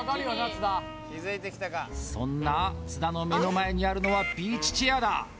そんな津田の目の前にあるのはビーチチェアだ